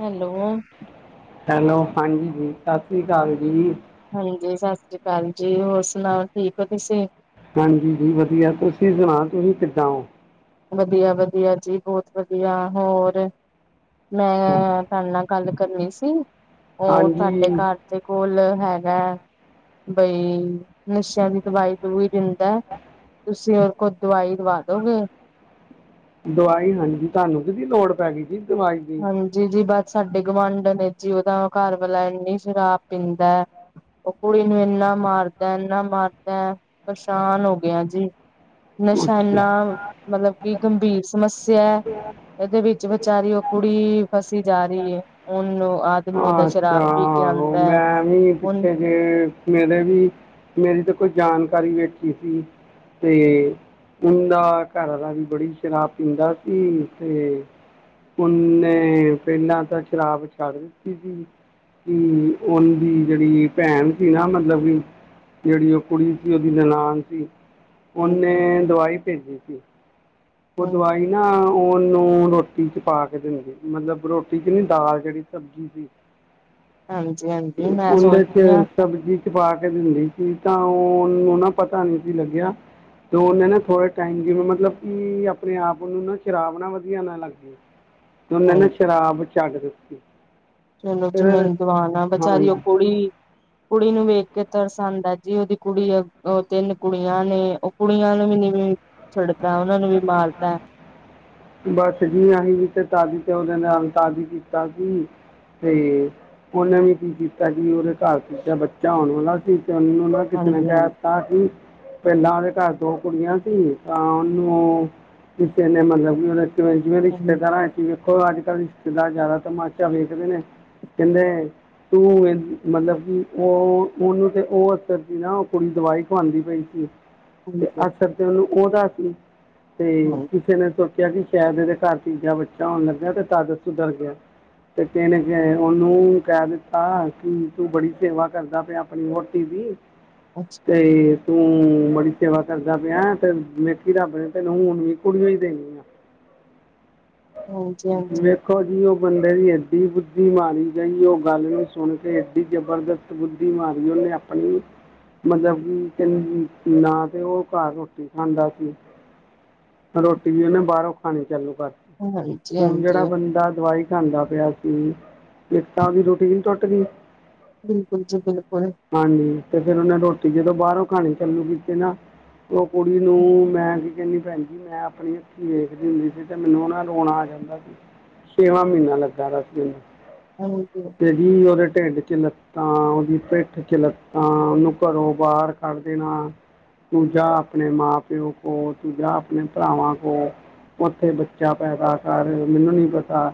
Hello. Hello, ਹਾਂਜੀ ਜੀ, ਸਤਿ ਸ਼੍ਰੀ ਅਕਾਲ ਜੀ। ਹਾਂਜੀ, ਸਤਿ ਸ੍ਰੀ ਅਕਾਲ ਜੀ ਹੋਰ ਸੁਣਾਓ ਠੀਕ ਹੋ ਤੁਸੀਂ। ਹਾਂਜੀ ਜੀ, ਵਧੀਆ ਤੁਸੀਂ ਸੁਣਾ ਤੁਸੀਂ ਕਿੱਦਾਂ ਹੋ? ਵਧੀਆ-ਵਧੀਆ ਜੀ ਬਹੁਤ ਵਧੀਆ ਹੋਰ। ਮੈਂ ਤੁਹਾਡੇ ਨਾਲ ਗੱਲ ਕਰਨੀ ਸੀ। ਉਹ ਹਾਂਜੀ ਤੁਹਾਡੇ ਘਰ ਦੇ ਕੋਲ ਹੈਗਾ ਬਈ ਨਸ਼ਿਆਂ ਦੀ ਦਵਾਈ-ਦੂਈ ਦਿੰਦਾ ਤੁਸੀਂ ਉਹਦੇ ਕੋਲ ਦਵਾਈ -ਦੁਵਈ ਦਵਾ ਦੋਗੇ। ਦਵਾਈ ਹਾਂਜੀ। ਤੁਹਾਨੂੰ ਕਿਹਦੀ ਲੋੜ ਪੈ ਗਈ ਜੀ। ਦਵਾਈ ਦੀ ਹਾਂਜੀ ਜੀ। ਬਸ ਸਾਡੇ ਗੁਵਢ ਨੇ ਜੀ। ਉਹਦਾ ਘਰ ਵਾਲਾ ਇੰਨੀ ਸ਼ਰਾਬ ਪੀਂਦਾ। ਉਹ ਕੁੜੀ ਨੂੰ ਇੰਨਾ ਮਾਰਦਾ ਐ। ਇਨਾ ਮਾਰਦਾ ਐ। ਪਰੇਸ਼ਾਨ ਹੋ ਗਿਆ ਜੀ। ਨਸਾ਼ ਇੰਨਾ। ਅੱਛਾ ਮਤਲਬ ਕਿ ਗੰਭੀਰ ਸਮੱਸਿਆ ਹੈ। ਇਹਦੇ ਵਿੱਚ ਵਿਚਾਰੀ ਕੁੜੀ ਫਸੀ ਜਾ ਰਹੀ ਹੈ ਉਹਨੂੰ ਆਦਮੀ ਉਹਦਾ ਸ਼ਰਾਬ ਪੀ ਕੇ ਆਉਂਦਾ ਹੈ। ਹੁਣੀ ਹੁਣ ਪਿੱਛੇ ਹੂੰ, ਮੇਰੇ ਵੀ ਮੇਰੀ ਤਾਂ ਕੋਈ ਜਾਣਕਾਰੀ ਵੇਖੀ ਸੀ। ਤੇ ਉਹਦਾ ਘਰ ਦਾ ਵੀ ਬੜੀ ਸ਼ਰਾਬ ਪੀਂਦਾ ਸੀ। ਤੇ ਉਹਨੇ ਪਹਿਲਾਂ ਤਾਂ ਸ਼ਰਾਬ ਛੱਡ ਦਿੱਤੀ ਸੀ। ਕਿ ਉਹ ਦੀ ਜਿਹੜੀ ਭੈਣ ਸੀ ਨਾ। ਮਤਲਬ ਕਿ ਜਿਹੜੀ ਉਹ ਕੁੜੀ ਸੀ। ਉਹਦੀ ਨੰਨਾਣ ਸੀ, ਹਾਂਜੀ ਉਹਨੇ ਦਵਾਈ ਭੇਜੀ ਸੀ। ਉਹ ਹਾਂਜੀ ਦਵਾਈ ਨਾ ਉਹਨੂੰ ਰੋਟੀ ਚ ਪਾ ਕੇ ਦਿੰਦੇ, ਮਤਲਬ ਰੋਟੀ ਚ ਨੀ ਦਾਲ ਜਿਹੜੀ ਸਬਜ਼ੀ ਸੀ। ਹਾਂਜੀ ਹਾਂਜੀ ਮੈਂ ਉਹਦੇ 'ਚ ਸੋਚਦੀ ਹਾਂ। ਸਬਜ਼ੀ ਚ ਪਾ ਕੇ ਦਿੰਦੀ ਸੀ। ਤਾਂ ਉਹਨੂੰ ਨਾ ਪਤਾ ਨਹੀਂੀ ਸੀ ਲੱਗਿਆ। ਤੇ ਉਹਨੇ ਨਾ ਥੋੜੇ ਟਾਈਮ ਜਿਵੇ, ਮਤਲਬ ਕੀ ਆਪਣੇ ਆਪ ਨੂੰ ਨਾ ਸ਼ਰਾਬ ਨਾ ਵਧੀਆ ਨਾ ਲੱਗ ਜੇ, ਨੀ- ਨੀ ਹਾਂਜੀ ਸ਼ਰਾਬ ਛੱਡ ਦਿੱਤੀ। ਚਲੋ ਜੀ ਮੈਂ ਫਿਰ ਹੀ ਦਵਾਨ ਆ। ਬਚਾਰੀ ਉਹ ਹਾਂਜੀ ਕੁੜੀ ਕੁੜੀ ਨੂੰ ਵੇਖ ਕੇ ਤਰਸੰਦ ਹੈ ਜੀ। ਉਹਦੀ ਕੁੜੀ ਉਹ ਤਿੰਨ ਕੁੜੀਆਂ ਨੇ ਕੁੜੀਆਂ ਨੂੰ ਵੀ ਨੀਂ ਛੱਡਦਾ। ਉਹਨਾ ਨੂੰ ਵੀ ਮਾਰਦਾ ਐ। ਬਸ ਜੀ, ਅਸੀਂ ਜ ਤੇ ਤਾਜ਼ੀ ਤੇ ਉਹਦੇ ਨਾਲ ਤਾਜ਼ੀ ਕੀਤਾ ਸੀ। ਤੇ ਉਹਨੇ ਵੀ ਕੀ ਕੀਤਾ ਜੀ। ਕਿ ਉਹਦੇ ਘਰ ਦੂਜਾ ਬੱਚਾ ਆਉਣ ਵਾਲਾ ਸੀ। ਤੇ ਉਹਨ ਕਿਸ ਨੇ ਹਾਂਜੀ ਕਹਿ ਹਾਂਜੀ ਦਿੱਤਾ ਸੀ। ਪਹਿਲਾਂ ਉਹਦੇ ਘਰ ਦੋ ਕੁੜੀਆਂ ਸੀ। ਅ ਉਹਨੂੰ ਕਿਸੇ ਨੇ ਮਤਲਬ ਜੀਵੇ ਵੀ ਛੱਡ ਹਾਂਜੀ ਦਾ ਦੇਖੋ ਅੱਜ ਕੱਲ੍ਹ ਜ਼ਿਆਦਾ ਤਮਾਚਾ ਵੇਖਦੇ ਨੇ, ਕਹਿੰਦੇ ਤੂੰ ਮਤਲਬ ਕਿ, ਉਹ ਉਹਨੂੰ ਤੇ ਉਹ ਅਸਰ ਸੀ ਨਾ। ਉਹ ਕੁੜੀ ਦਵਾਈ ਖਵਾਉਂਦੀ ਪਈ ਸੀ। ਤੇ ਹਾਂਜੀ ਅਕਸਰ ਤੇ ਉਹਨੂੰ ਉਹਦਾ ਕੀ ਤੇ ਹਾਂਜੀ ਕਿਸੇ ਨੇ ਸੋਚਿਆ ਕਿ, ਸ਼ਾਇਦ ਇਹਦੇ ਘਰ ਤੀਜਾ ਬੱਚਾ ਹੋਣ ਲੱਗਿਆ। ਤੇ ਤਾ ਅਸੀਂ ਡਰ ਗੇ। ਤੇ ਕਿਸ ਨੇ ਉਹਨੂੰ ਕਹਿ ਦਿੱਤਾ ਕਿ, ਤੂੰ ਬੜੀ ਸੇਵਾ ਕਰਦਾ ਪਿਆ ਆਪਣੀ ਵੋਟੀ ਦੀ ਅੱਛਾ ਤੇ ਤੂੰ ਬੜੀ ਸੇਵਾ ਕਰਦਾ ਪਿਆ ਹੈ। ਤੇ ਦੇਖੀ ਰੱਬ ਨੇ ਤੈਨੂੰ, ਹੁਣ ਵੀ ਕੁੜੀਆਂ ਹੀ ਦੇਣੀਆਂ। ਹਾਂਜੀ [unintelligible] ਹਾਂਜੀ ਦੇਖੋ ਜੀ। ਉਹ ਬੰਦੇ ਦੀ ਐਏ ਡੀ ਬੁੱਧੀ ਮਾਰੀ ਗਈ। ਉਹ ਗੱਲ ਨੂੰ ਸੁਣ ਕੇ ਐ ਏ ਡੀ ਜ਼ਬਰਦਸਤ ਬੁੱਧੀ ਮਾਰੀ ਉਹਨੇ ਆਪਣੀ, ਮਤਲਬ ਕਿ ਤ ਨਾ ਤੇ ਉਹ ਘਰ ਰੋਟੀ ਕਮਾਦਾਂ ਆਪਣੀ। ਰੋਟੀ ਵੀ ਉਹਨੇ ਬਾਹਰੋਂ ਖਾਣੀ ਚਾਲੂ ਕਰਰ ਹਾਂਜੀ ਹੁਣ ਹਾਂਜੀ ਜਿਹੜਾ ਬੰਦਾ ਦਵਾਈ ਖਾਦਾ ਪਿਆ ਸੀ। ਇਕ ਤਾਂ ਦੀ ਉਹਦੀ ਰੋਟੀ ਨੀ ਟੁੱਟ ਗਈ। ਬਿਲਕੁਲ ਜੀ ਬਿਲਕੁਲ, ਜਨਰਲ ਪਾਉਣੇ। ਹਾਂਜੀ ਤੇ ਫੇਰ ਉਹਨੇ ਰੋਟੀ ਜਦੋਂ ਬਾਹਰੋਂ ਖਾਣੇ। ਚਾਲੂ ਕੀਤੇ ਨਾ ਉਹ ਕੁੜੀ ਨੂੰ ਮੈਂ ਕੀ ਕਹਿੰਦੀ ਭੈਣ ਜੀ ਮੈਂ ਆਪਣੀ ਅੱਖੀਂ ਵੇਖਦੀ ਹੁੰਦੀ ਸੀ। ਤੇ ਮੈਨੂੰ ਨਾ ਰੋਣਾ ਆ ਜਾਂਦਾ ਸੀ। ਛੇਵਾਂ ਮਹੀਨਾ ਲੱਗਾ। ਦੱਸ ਉਹਨੂੰ ਹਾਂਜੀ ਤੇ ਜੀ ਉਹਦੇ ਢਿੰਡ ਚ ਲੱਤ ਤਾਂ ਉਹਦੀ ਪਿੱਠ ਵਿੱਚ ਲੱਤਾਂ, ਉਹਨੂੰ ਘਰੋਂ ਬਾਹਰ ਕੜ ਦੇਣਾ। ਤੂੰ ਜਾ ਆਪਣੇ ਮਾਂ ਪਿਓ ਕੋਲ। ਤੂੰ ਜਾ ਆਪਣੇ ਭਰਾਵਾਂ ਕੋਲ। ਉੱਥੇ ਬੱਚਾ ਪੈਦਾ ਕਰ, ਮੈਨੂੰ ਨੀ ਪਤਾ।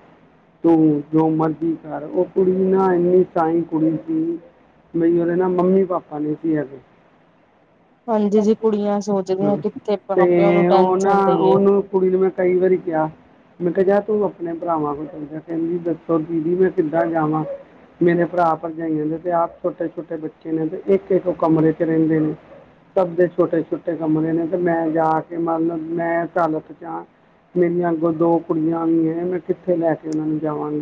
ਤੂੰ ਜੋ ਮਰਜ਼ੀ ਕਰ, ਉਹ ਕੁੜੀ ਨਾ ਇੰਨੀ ਸਹੀ ਕੁੜੀ ਸੀ। ਬਈ ਉਹਦੇ ਨਾ ਮੰਮੀ ਪਾਪਾ ਨੀ ਸੀ ਹੈਗੇ। ਹਾਂਜੀ ਜੀ ਕੁੜੀਆਂ ਸੋਚਦੀਆਂ ਹਾਂ ਕਿੱਥੇ ਮਾਂ ਤੇ ਪਿਓ ਨੂੰ ਉਹ ਨਾ ਟੈਨਸ਼ਨ ਦੇਈਏ। ਉਨੂੰ ਕੁੜੀ ਨੂੰ ਮੈਂ ਕਈ ਵਾਰੀ ਕਿਆ। ਮੈਂ ਕਿਹਾ ਜਾ ਤੂੰ ਆਪਣੇ ਭਰਾਵਾ ਕੋਲ [unintelligible] ਕਹਿੰਦੀ ਦੱਸੋ ਦੀਦੀ ਮੈਂ ਕਿੱਦਾ ਜਾਵਾ। ਮੇਰੇ ਭਰਾ ਭਰਜਾਈਆਂ ਨੇ ਤੇ ਆਪ ਛੋਟੇ- ਛੋਟੇ ਬੱਚੇ ਨੇ, ਤੇ ਇੱਕ- ਇੱਕ ਉਹ ਕਮਰੇ ਚ ਰਹਿੰਦੇ ਨੇ ਸਭ ਦੇ ਛੋਟੇ-ਛੋਟੇ ਕਮਰੇ ਨੇ ਤੇ ਮੈਂ ਜਾ ਕੇ ਮਤ ਲ ਮੈਂ ਚੱਲ ਤੇ ਜਾ। ਮੇਰੀਆਂ ਅੱਗੋਂ ਦੋ ਕੁੜੀਆਂ ਵੀ ਹੈ ਮੈਂ ਕਿੱਥੇ ਲੈ ਕੇ ਉਹਨਾਂ ਨੂੰ ਜਾਵਾਂਗੀ।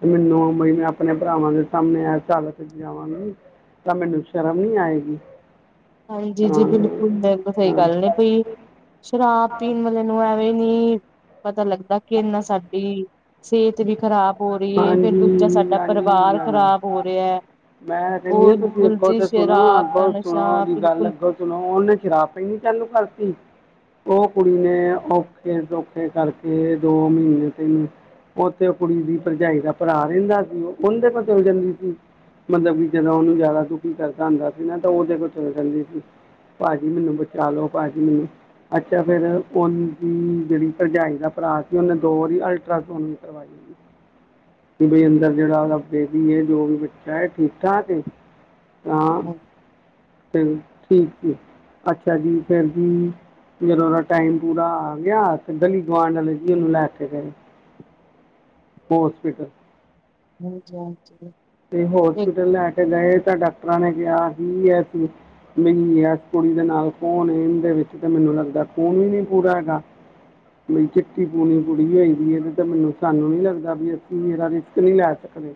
ਤੇ ਮੈਂ ਨਓ ਮਈ ਆਪਣੇ ਭਰਾਵਾਂ ਦੇ ਸਾਹਮਣੇ ਐੱਸ ਹਾਲਤ ਚ ਜਾਵਾਗੀ। ਤਾ ਮੈਨੂੰ ਸ਼ਰਮ ਨੀ ਆਏਗੀ। ਹਾਂਜੀ ਜੀ ਤਾਂ ਜੀ ਬਿਲਕੁਲ ਸਹੀ ਹਾਂ ਗੱਲ ਐ ਬਈ ਸ਼ਰਾਬ ਪੀਣ ਮਤ ਨੂੰ ਐਵੇਂ ਨੀ ਪਤਾ ਲੱਗਦਾ ਕਿ ਇੰਨਾ ਸਾਡੀ ਸਿਹਤ ਵੀ ਖ਼ਰਾਬ ਹੋ ਰਹੀ ਹੈ ਫਿਰ ਦੂਜਾ ਹਾਂਜੀ ਸਾਡਾ ਹਾਂਜੀ ਪਰਿਵਾਰ ਹਾਂਜੀ ਖ਼ਰਾਬ ਹੋ ਰਿਹਾ। ਮੈਂ ਕਹਿੰਦੀ ਹਾਂ ਤੁਸੀਂ ਬਿਲਕੁਲ ਅੱਗੋਂ ਜੀ ਤਾਂ ਸੁਣੋ ਸ਼ਰਾਬ ਦਾ ਅੱਗੋਂ ਸੁਣੋ ਨਸ਼ਾ ਉਹਦੀ ਗੱਲ ਬਿਲਕੁਲ ਅੱਗੋਂ ਸੁਣੋ ਉਹਨੇ ਸ਼ਰਾਬ ਪੀਣੀ ਚਾਲੂ ਕਰ ਤੀ। ਉਹ ਕੁੜੀ ਨੇ ਔਖੇ ਸੌਖੇ ਕਰਕੇ ਦੋ ਮਹੀਨੇ ਤਿੰਨ ਉੱਥੇ ਉਹ ਕੁੜੀ ਦੀ ਭਰਜਾਈ ਦਾ ਭਰਾ ਰਹਿੰਦਾ ਸੀ ਉਹਦੇ ਕੋਲ ਜਾਂਦੀ ਸੀ। ਮਤਲਬ ਕਿ ਜਦੋਂ ਉਹਨੂੰ ਜਾਦਾ ਦੁਖੀ ਕਰਦਾ ਹੁੰਦਾ ਸੀ ਨਾ ਤਾਂ ਉਹਦੇ ਕੋ ਚੱਲ ਜਾਂਦੀ ਸੀ। ਭਾਜੀ ਮੈਨੂੰ ਬਚਾ ਲੋ ਭਾਜੀ ਮੈਨੂੰ ਅੱਛਾ ਫਿਰ ਉਹ ਦੀ ਜਿਹੜੀ ਭਰਜਾਈ ਦਾ ਭਰਾ ਸੀ ਉਹਨੇ ਦੋ ਵਾਰੀ ਅਲਟਰਾਸਾਊਂਡ ਕਰਵਾ [unintelligible] ਕਿ ਬਈ ਅੰਦਰ ਜਿਹੜਾ ਉਹਦਾ ਬੇਬੀ ਏ ਜੋ ਵੀ ਬੱਚਾ ਹੈ ਠੀਕ ਠਾਕ ਏ। ਹਾ ਫਿਰ ਠੀਕ ਜੀ ਅੱਛਾ ਜੀ ਫਿਰ ਜੀ ਜਦੋਂ ਉਹਦਾ ਟਾਈਮ ਪੂਰਾ ਆ ਗਿਆ ਤੇ ਗਲੀ ਗੁਆਂਢ ਆਲੇ ਜੀ ਉਹਨੂੰ ਲੈ ਕੇ ਗਏ। ਹੋਸਪਿਟਲ। ਹਜੀ ਹਾਂਜੀ। ਤੇ ਇੱਕ ਹੋਸਪਿਟਲ ਲੈ ਕੇ ਗਏ ਤਾਂ ਡਾਕਟਰਾਂ ਨੇ ਕਿਹਾ ਹੀ ਐ ਮੈਂਨੂੰ ਕਿਹਾ ਕੁੜੀ ਦੇ ਨਾਲ ਕੌਨ ਏ ਏਦੇ ਵਿੱਚ ਤੇ ਮੈਨੂੰ ਲੱਗਦਾ ਖੂਨ ਵੀ ਨਹੀ ਪੂਰਾ ਹੈਗਾ। ਬਈ ਚਿੱਟੀ ਪੂਣੀ ਕੁੜੀ ਹੈਗੀ ਹੈ ਤੇ ਮੈਨੂੰ ਸਾਨੂੰ ਨੀ ਲੱਗਦਾ ਵੀ ਅਸੀ ਇਦਾ ਰਿਸਕ ਨੀ ਲੈ ਸਕਦੇ।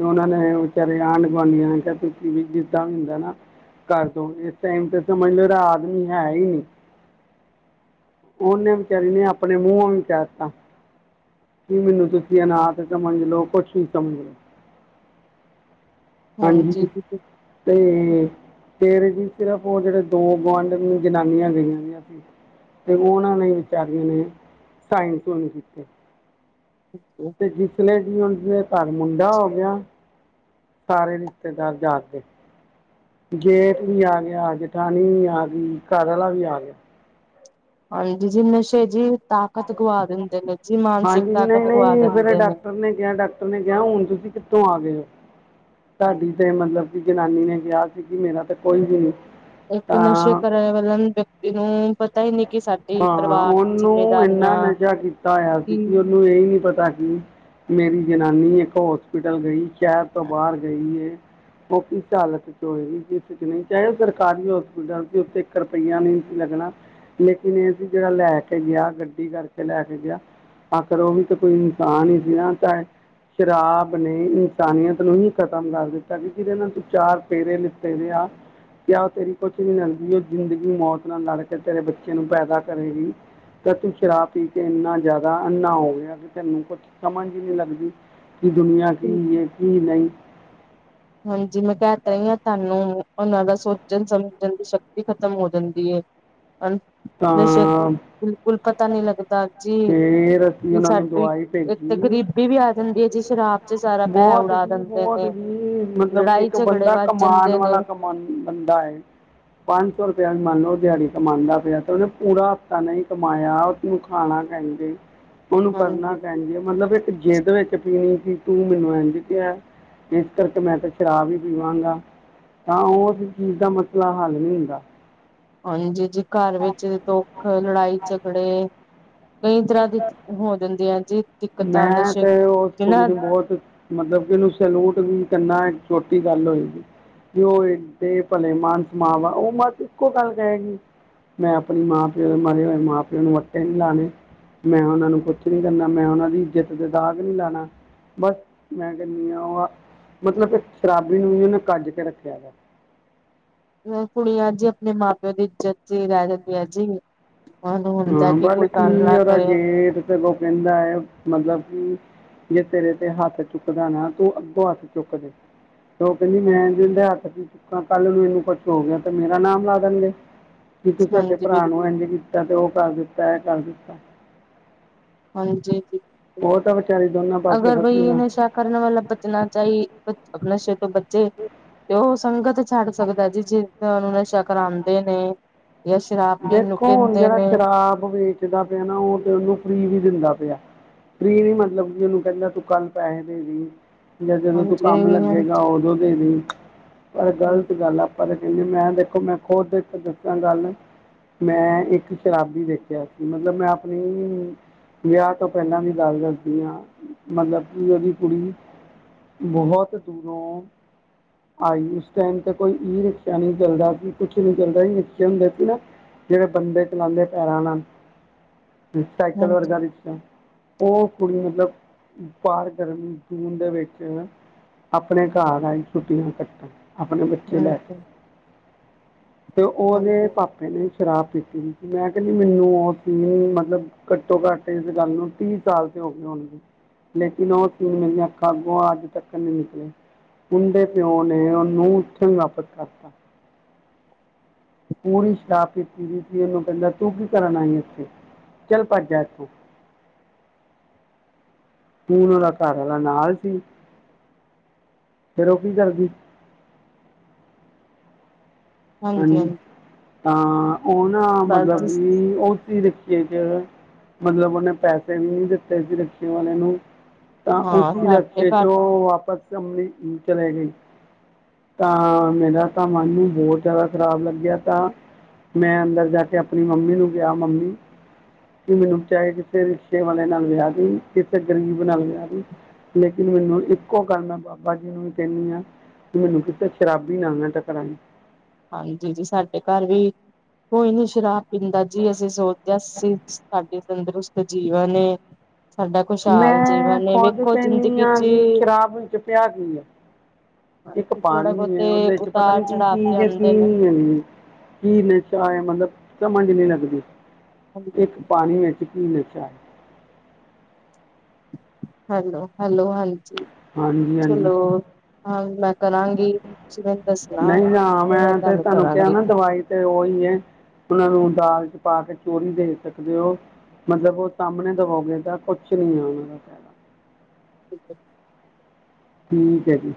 ਉਹਨਾਂ ਨੇ ਵਿਚਾਰੇ ਆਂਢ ਗੁਆਂਢੀਆਂ ਨੇ ਕਿਸੀ ਵੀ ਜਿੱਦਾ ਵੀ ਹੁੰਦਾ ਨਾ ਕਰ ਦੋ ਇਸ ਟਾਈਮ ਤੇ ਸਮਝ ਲੋਓ ਆਦਮੀ ਹੈ ਹੀ ਨੀ। ਉਹਨੇ ਵਿਚਾਰੀ ਨੇ ਆਪਣੇ ਮੂੰਹੋ ਵੀ ਕਹ ਤਾ। ਕੀ ਮੈਨੂੰ ਤੁਸੀ ਅਨਾਥ ਸਮਝ ਲੋ ਕੁਛ ਵੀ ਸਮਝ ਲੋ। ਹਾਂਜੀ ਤੇ ਤੇਰੇ ਜੀ ਸਿਰਫ ਉਹ ਜਿਹੜੇ ਦੋ ਗੁਆਂਢ ਜਨਾਨੀਆ ਨੇ। ਤੇ ਉਹਨਾਂ ਨੇ ਵਿਚਾਰੀਆਂ ਨੇ ਸਾਇਨ ਸੂਈਨ ਕੀਤੇ। [unintelligible] ਤੇ ਜਿਸਲੇ ਸੀ ਉਸਲੇ [unintelligible] ਡਾ ਹੋ ਗਿਆ ਸਾਰੇ ਰਿਸ਼ਤੇਦਾਰ ਜਾਗ ਗੇ। ਜੇਠ ਵੀ ਆ ਗਿਆ, ਜਠਾਣੀ ਵੀ ਆ ਗਈ, ਘਰਆਲਾ ਵੀ ਆ ਗਿਆ। ਹਾਂ ਜ ਜੀ ਨਸ਼ੇ ਜੀ ਤਾਕਤ ਗਵਾ ਦਿੰਦੇ ਨੇ ਜੀ ਮਾਨਸਿਕ ਹਾਂਜੀ ਤਾਕਤ ਗਵਾ ਨਈਂ-ਨਈਂ ਫਿਰ ਦਿੰਦੇ ਡਾਕਟਰ ਨੇ ਕਿਹਾ ਡਾ ਟਰ ਕਿਹਾ ਹੁਣ ਤੁਸੀਂ ਕਿੱਥੋਂ ਆ ਗਏ ਹੋ, ਤੁਹਾਡੀ ਤੇ ਮਤਲਬ ਕਿ ਜਨਾਨੀ ਨੇ ਕਿਹਾ ਸੀ ਕਿ ਮੇਰਾ ਤੇ ਇੱਕ ਨਸ਼ੇ ਕਰਾ ਵਾਲ ਵਿਅਕਤੀ ਨੂੰ ਪਤਾ ਹੀ ਨੀ ਕਿ ਸਾ ਹਾਂ ਉਹਨੂੰ ਇੰਨਾ ਨਸ਼ਾ ਕੀਤਾ ਹੋਇਆ ਸੀ ਜੀ ਕਿ ਉਹਨੂੰ ਇਹਹੀ ਨੀ ਪਤਾ ਕਿ ਮੇਰੀ ਜਨਾਨੀ ਇੱਕ ਹੋਸਪਿਟਲ ਗਈ ਸ਼ਹਿਰ ਤੋਂ ਬਾਹਰ ਗਈ ਏ। ਉਹ ਕਿਸ ਹਾਲਤ ਚ ਹੋਏਗੀ ਜ ਚ ਨਹੀਂ ਚਾਹੇ ਉਹ ਸਰਕਾਰੀ ਹੋਸਪਿਟਲ ਸੀ ਓਥੇ ਇੱਕ ਰੁਪਈਆ ਨੀ ਸੀ ਲੱਗਣਾ। ਇੰਨ ਇਹ ਸੀ ਜਿਹੜਾ ਲੈ ਕੇ ਗਿਆ ਗੱਡੀ ਕਰਕੇ ਲੈ ਕੇ ਗਿਆ ਆਖਰ ਉਹ ਵੀ ਤਾਂ ਕੋਈ ਇਨਸਾਨ ਹੀ ਸੀ ਨਾ ਚਾਹੇ ਸ਼ਰਾਬ ਨੇ ਇਨਸਾਨੀਅਤ ਨੂੰ ਹੀ ਖਤਮ ਕਰ ਦਿੱਤਾ ਬੀ ਜਿੰਦੇ ਨਾਲ ਤੁ ਚਾਰ ਤੇ ਫੇਰੇ ਲਿਤੇੇ ਦੇ ਆ। ਕਿਆ ਉਹ ਤੇਰੀ ਕੁਛ ਨੀ ਲਗਦੀ ਉਹ ਜ਼ਿੰਦਗੀ ਮੌਤ ਨਾਲ ਲੜ ਕੇ ਤੇਰੇ ਬੱਚੇ ਨੂੰ ਪੈਦਾ ਕਰੇਗੀ। ਤਾਂ ਤੂੰ ਸ਼ਰਾਬ ਪੀ ਕੇ ਇੰਨਾ ਜ਼ਿਆਦਾ ਅੰਨਾ ਹੋ ਗਿਆ, ਵੀ ਤੈਨੂੰ ਕੁਛ ਸਮਝ ਹੀ ਨਹੀਂ ਲੱਗਦੀ। ਕੀ ਦੁਨੀਆਂ ਕੀ ਹੈ, ਕੀ ਨਹੀਂ। ਹਾਂਜੀ ਮੈਂ ਕਹਿ ਤਾ ਰਹੀ ਹਾਂ, ਤੁਹਾਨੂੰ ਉਹਨਾਂ ਦਾ ਸੋਚਣ ਸਮਝਣ ਦੀ ਸ਼ਕਤੀ ਖ਼ਤਮ ਹੋ ਜਾਂਦੀ ਹੈ। ਨਸ਼ਕ ਤਾਂ ਬਿਲਕੁਲ ਪਤਾ ਨੀ ਲੱਗਦਾ। ਜੀ ਫਿਰ ਅਸੀਂ ਕੀ ਉਹਨਾਂ ਨੂੰ ਸਾਡੀ ਦਵਾਈ ਇੱਕ ਤੇ ਭੇਜੀ ਗਰੀਬੀ ਵੀ ਆ ਜਾਂਦੀ ਹੈ, ਜੀ ਸ਼ਰਾਬ ਬੱਚੇ ਸਾਰਾ ਪੈਸਾ ਬਹੁਤ ਉਡਾ ਜੀ ਦਿੰਦੇ ਬਹੁਤ ਨੇ, ਮਤਲਬ ਕਿ ਲੜਾਈ ਇੱਕ ਝਗੜੇ ਬੰਦਾ ਵੱਧ ਕਮਾਨ ਜਾਂਦੇ ਨੇ ਵਾਲਾ ਕਮਾਨ ਬੰਦਾ ਹੈ। ਪੰਜ ਸੌ ਰੁਪਇਆ ਵੀ ਮੰਨ ਲਓ ਉਹ ਦਿਹਾੜੀ ਕਮਾਉਂਦਾ ਪਿਆ, ਤੇ ਉਹਨੇ ਪੂਰਾ ਹਫ਼ਤਾ ਨਹੀਂ ਕਮਾਇਆ ਤੈਨੂੰ ਖਾਣਾ। ਕਹਿੰਦੇ ਉਹਨੂੰ ਕਰਨਾ ਹਾਂਜੀ ਕਹਿੰਦੀ ਆ ਮਤਲਬ ਇੱਕ ਜਿੱਦ ਵਿੱਚ ਪੀਣੀ ਸੀ, ਤੂੰ ਮੈਨੂੰ ਇੰਝ ਪਿਆ। ਇਸ ਕਰਕੇ ਮੈਂ ਤਾਂ ਸ਼ਰਾਬ ਹੀ ਪੀਵਾਂਗਾ। ਤਾਂ ਉਸ ਚੀਜ਼ ਦਾ ਮਸਲਾ ਹੱਲ ਨੀ ਹੁੰਦਾ। ਹਾਂਜੀ ਜੀ, ਘਰ ਵਿੱਚ ਦੱਖ ਲੜਾਈ ਝਗੜੇ, ਕਈ ਤਰ੍ਹਾਂ ਦੀ ਹੋ ਜਾਂਦੀ ਹੈ, ਜੀ ਦਿੱਕਤਾਂ ਮੈਂ ਨਸ਼ੇ ਤੇ ਉਸ ਕੁੜੀ ਜਿਹਨਾਂ ਨੂੰ ਬਹੁਤ ਮਤਲਬ ਕਿ, ਇਹਨੂੰ ਸਲੂਟ ਵੀ ਕਿੰਨਾ ਛੋਟੀ ਗੱਲ ਹੋਏਗੀ। ਜੋ ਭਲੇ ਮਾਨਸ ਮਾਵਾ, ਉਹ ਮੈਂ ਇੱਕੋ ਗੱਲ ਕਹਿਹੇਗੀ। ਮੈਂ ਆਪਣੀ ਮਾਂ ਪਿਓ ਦੇ ਮਰੇ ਹੋਏ, ਮਾਂ ਪਿਓ ਨੂੰ ਅੱਟੇ ਨਹੀਂ ਲਾਉਣੇ, ਮੈਂ ਉਹਨਾਂ ਨੂੰ ਕੁਛ ਨੀ ਕਰਨਾ, ਮੈਂ ਉਹਨਾਂ ਦੀ ਇੱਜਤ ਦੇ ਦਾਗ ਨੀ ਲਾਣਾ। ਬਸ ਮੈਂ ਕਹਿੰਦੀ ਹਾ, ਉਹ ਮਤਲਬ ਸ਼ਰਾਬੀ ਨੂੰ ਵੀ ਉਹਨੇ ਕੱਜ ਕੇ ਰੱਖਿਆ ਹੈ। ਕੁੜੀਆਂ ਜੀ, ਆਪਣੇ ਮਾਂ ਪਿਓ ਦੀ ਇੱਜਤ ਚ ਹੀ ਰਹਿ ਜਾਂਦੀਆਂ ਜੀ। ਉਹਨੂੰ ਹੁੰਦਾ ਹਾਂ ਕਿ ਵੱਲ ਕੋਈ ਕੀ ਗੱਲ ਨਾ ਉਹਦਾ ਕਰੇ ਗੇਟ ਤੇ ਕੋ ਕਹਿੰਦਾ ਹੈ, ਮਤਲਬ ਕਿ ਜੇ ਤੇਰੇ ਤੇ ਹੱਥ ਚੁੱਕਦਾ ਨਾ ਤੂੰ ਅੱਗੋਂ ਹੱਥ ਚੁੱਕ ਦੇ, ਉਹ ਕਹਿੰਦੀ ਮੈਂ ਇਹਦੇ ਹੱਥ ਚ, ਕੱਲ ਨੂੰ ਇਹਨੂੰ ਕੁੱਛ ਹੋ ਗਿਆ, ਤੇ ਮੇਰਾ ਨਾਮ ਲਾ ਦੇਣਗੇ, ਕਿ ਤੂੰ ਤੁਹਾਡੇ ਹਾਂਜੀ ਭਰਾ ਨੂੰ ਬਿਲਕੁਲ ਐਂਦੇ ਤੇ ਉਹ ਕਰ ਦਿੱਤਾ, ਇਹ ਕਰ ਦਿੱਤਾ। ਹਾਂਜੀ, ਉਹ ਤਾਂ ਵਿਚਾਰੀ ਦੋਨਾਂ ਪਾਸੇ ਅਗਰ ਬਈ ਫਸੇ ਆ, ਨਸ਼ਾ ਕਰਨ ਵਾਲਾ ਬਚਣਾ ਚਾਹੀ ਨਸ਼ੇ ਤੋਂ ਬਚੇ ਤੇ ਉਹ ਸੰਗਤ ਛੱਡ ਸਕਦਾ ਜੀ, ਜਿਸ ਤੁੂੰ ਨਸ਼ਾ ਕਰਾਉਂਦੇ ਨੇ ਜਾਂ ਸ਼ਰਾਬ ਪੀਣ ਨੂੰ ਦੇਖੋ ਹੁਣ ਕਹਿੰਦੇ ਜਿਹੜਾ ਨੇ ਸ਼ਰਾਬ ਵੇਚਦਾ ਪਿਆ ਨਾ, ਉਹ ਤੇ ਉਹਨੂੰ ਫੀ ਵੀ ਦਿੰਦਾ ਪਿਆ। ਫੀ ਨੀ ਮਤਲਬ ਕੀ, ਉਹਨੂੰ ਕਹਿੰਦਾ ਤੂੰ ਕੱਲ ਪੈਸੇ ਦੇ ਜਾਂ, ਜਦੋਂ ਤੂੰ ਹਾਂਜੀ ਕੰਮ ਲੱਗੇਗਾ, ਹਾਂਜੀ। ਉਹ ਦੀ ਪਰ ਹਾਂਜੀ ਗਲਤ ਗੱਲ ਆ। ਪਰਤਾ ਕਹਿੰਦੀ ਮੈਂ ਦੇਖੋ, ਮੈਂ ਖੁਦ ਦਿੱਤੀਿਆਂ ਗੱਲ, ਮੈਂ ਇੱਕ ਸ਼ਰਾਬੀ ਦੇਖਿਆ ਸੀ, ਮਤਲਬ ਮੈਂ ਆਪਣੀ ਵਿਆਹ ਤੋਂ ਪਹਿਲਾਂ ਵੀ ਗੱਲ ਦਸਦੀ ਆ, ਮਤਲਬ ਕਿ ਉਹਦੀ ਕੁੜੀ ਬਹੁਤ ਦੂਰੋਂ ਆਈ ਉਸ ਟਾਈਮ ਤੇ ਕੋਈ ਈ ਰਿਕਸ਼ਾ ਨਹੀਂ ਚੱਲਦਾ, ਕੁਛ ਨੀ ਚੱਲਦਾ ਈ ਰਿਕਸ਼ੇ ਹੁੰਦੇ ਸੀ ਨਾ। ਜਿਹੜੇ ਬੰਦੇ ਕਲੇ ਪੈਰਾਂ ਹਨਾ, ਸਾਈਕਲ ਹਾਂਜੀ ਵਰਗਾ ਦੀ, ਉਹ ਕੁੜੀ ਮਤਲਬ ਪਾਰ ਗਰਮੀ ਜੂਨ ਦੇ ਵਿੱਚ ਆਪਣੇ ਘਰ ਰਾਹੀਂ ਛੁੱਟੀਆਂ ਕੱਟਣ ਆਪਣੇ ਬੱਚੇ ਲੈ ਕੇ, ਹਾਂਜੀ ਤੇ ਉਹਦੇ ਪਾਪੇ ਨੇ ਸ਼ਰਾਬ ਪੀਤੀ ਦੀ ਸੀ, ਮੈਂ ਕਹਿੰਦੀ ਮੈਨੂੰ ਉਹ ਸੀਨ ਮਤਲਬ। ਘੱਟੋ-ਘੱਟ ਇਸ ਗੱਲ ਨੂੰ ਤੀਹ ਸਾਲ ਤੇ ਹੋ ਗਏ। ਲੇਕਿਨ ਉਹ ਸੀਨ ਮੇਰੀਆਂ ਅੱਖਾ ਅੱਗੋ, ਅੱਜ ਤੱਕ ਨਹੀਂ ਨਿਕਲਿਆ। ਮੁੰਡੇ ਪਿਓ ਦੇ ਪਿਓ ਨੇ ਓਹਨੂੰ ਓਥੇ ਨਾਪ ਤਾਂ। ਪੂਰੀ ਸ਼ਰਾਬ ਪੀਤੀ ਦੀ ਸੀ, ਇਹਨੂੰ ਕਹਿੰਦਾ ਤੂੰ ਕੀ ਕਰਨ ਆਈ ਇੱਥੇ ਚੱਲ ਭੱਜਾ ਇੱਥੋਂ। ਉਹਦਾ ਘਰ ਵਾਲਾ ਨਾਲ ਸੀ, ਫਿਰ ਉਹ ਕੀ ਕਰਦੀ ਹਾਂਜੀ, ਤਾਂ ਉਹ ਨਾ ਬਸ ਮਤਲਬ ਜੀ ਵੀ ਉਹ ਸੀ ਰੱਖੀਏ ਚ ਮਤਲਬ ਉਹਨੇ ਪੈਸੇ ਵੀ ਨਹੀਂ ਦਿੱਤੇ ਸੀ ਰੱਖੀ ਵਾਲੇ ਨੂੰ। ਤਾਂ ਹਾਂ ਉਸਂ ਸਾਡੇ ਰੱਸਤੇ ਘਰ ਚੋ ਉਹ ਵਾਪਸ। [unintelligible] ਤਾਂ ਮੇਰਾ ਤਾਂ ਮਨ ਨੂੰ ਬਹੋਤ। ਜ਼ਿਆਦਾ ਖ਼ਰਾਬ ਲੱਗਿਆ ਤਾਂ ਮੈਂ ਅੰਦਰ ਜਾ ਕੇ ਆਪਨੀ ਮੰਮੀ ਨੂੰ ਕਆ ਮੰਮੀ। ਕਿ ਮੈਨੂੰ ਚਾਹੇ ਕਿਸੇ ਰਿਕਸ਼ੇ ਵਾਲੇ ਨਾਲ ਵਿਆਹ ਦੀ ਕਿਸੇ ਗਰੀਬ ਨਾਲ ਵਿਆਹ ਦੀ। ਲੇਕਿਨ ਮੈਨੂੰ ਇੱਕੋ ਗੱਲ ਮੈਂ ਬਾਬਾ ਜੀ ਨੂੰ ਵੀ ਕਹਿੰਦੀ ਹਾਂ। ਮੈਨੂੰ ਕਿਥ ਸ਼ਰਾਬੀ ਨਾਲ ਨਾ ਟਕਰਾਈ ਹਾਂਜੀ ਜੀ ਸਾਡੇ ਘਰ ਵੀ ਕੋਈ ਨੀ ਸ਼ਰਾ ਪਿੰਦਾ ਜੀ ਅਸੀਂ ਸੋਚਦੇ ਹਾਂ ਅਸੀਂ ਸਾਡੇ ਤੰਦਰੁਸਤ ਜੀਵਨ ਏ ਸਾਡਾ ਖੁਸ਼ਹਾਲ ਮੈਂ ਜੀਵਨ ਏ ਖੋਦ ਵੇਖੋ ਕੇਨੀ ਜ਼ਿੰਦਗੀ ਆ ਚ ਜੀ ਸ਼ਰਾਬ ਵਿੱਚ ਪਿਆ ਕੀ ਏ। ਇੱਕ ਹਾਂਜੀ ਥੋੜਾ ਪਾਨੀ ਬਹੁਤੇ ਏ ਉਹਦੇ ਚ ਪਤਾ ਉਤਾਰ ਨੀ ਚੜਾਵ ਤੇ ਕੀ-ਕੀ। ਆਂਦੇ ਨੇ [unintelligible] ਚਾਹ ਏ ਮਤਲਬ ਸਮਝਝ ਨਹੀਂ ਲੱਗਦੀ। [unintelligible] ਇੱਕ ਪਾਨੀ ਵਿੱਚ ਕਿ ਨਸ਼ਾ ਹ। ਹੈਲੋ-ਹੈਲੋ ਹਾਂਜੀ ਹਾਂਜੀ ਹਾਂਜੀ ਚਲੋ ਹਾਂ ਮੈਂ। ਕਰਾਂਗੀ ਤੁਸੀਂ ਮੈਨੂੰ ਦੱਸੇਨਾ ਨਹੀਂ ਨਾ ਤੇ ਮੈਂ ਤੇ ਤੁਹਾਨੂੰ ਕਿਹਾ ਕਰਾਂਗੀ ਨਾ ਫੋਨ। ਦਵਾਈ ਉਹੀ ਏ ਉਹਨਾਂ ਨੂੰ ਦਾਲ ਚ ਪਾ ਕੇ ਚੋਰੀ ਦੇ ਸਕਦੇ ਹੋ। ਮਤਲਬ ਉਹ ਸਾਹਮਣੇ ਦਵੋ ਗੇ ਤਾਂ ਕੁਛ ਨੀ ਹੈ ਉਹਨਾਂ ਦਾ ਤਾ। [unintelligible] ਠੀਕ ਐ ਜੀ।